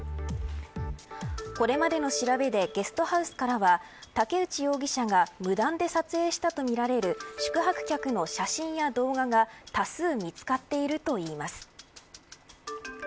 これまでの調べでゲストハウスからは武内容疑者が無断で撮影したとみられる宿泊客の写真や動画が多数見つかっているといいます。